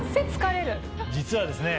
実はですね